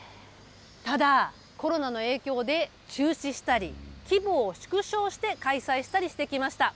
ただ、コロナの影響で中止したり、規模を縮小して開催したりしてきました。